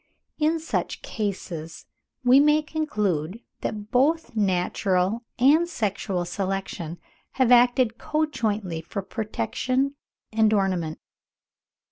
In such cases we may conclude that both natural and sexual selection have acted conjointly for protection and ornament.